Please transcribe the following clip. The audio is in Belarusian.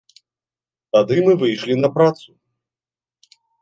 Тады мы выйшлі на працу.